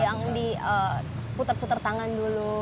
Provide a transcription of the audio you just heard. yang diputar putar tangan dulu